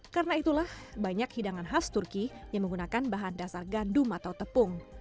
karena itulah banyak hidangan khas turki yang menggunakan bahan dasar gandum atau tepung